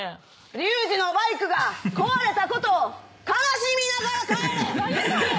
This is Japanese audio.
リュウジのバイクが壊れたことを悲しみながら帰れ。